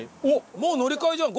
もう乗り換えじゃん。